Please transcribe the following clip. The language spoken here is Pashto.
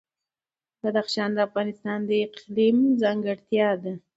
بدخشان د افغانستان د اقلیم ځانګړتیا ده.